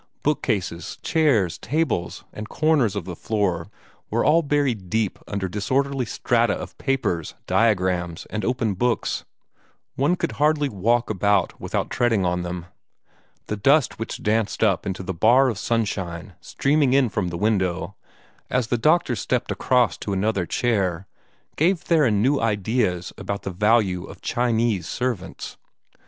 Bookcases, chairs, tables, the corners of the floor, were all buried deep under disorderly strata of papers, diagrams, and opened books. One could hardly walk about without treading on them. The dust which danced up into the bar of sunshine streaming in from the window, as the doctor stepped across to another chair, gave Theron new ideas about the value of Chinese servants.